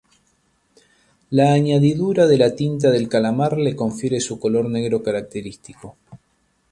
La añadidura de la tinta del calamar le confiere su color negro característico.